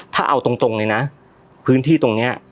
ถ้าเอาตรงเลยนะพื้นที่ตรงนี้